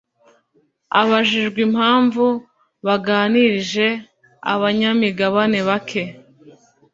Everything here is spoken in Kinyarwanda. Abajijwe impamvu baganirije abanyamigabane bake